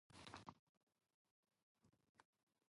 最悪な環境